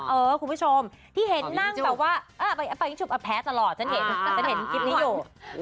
เออคุณผู้ชมที่เห็นนั่งแบบว่าปะยิ้งจุบแพ้ตลอดฉันเห็นคลิปนี้อยู่